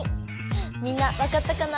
みんなわかったかな？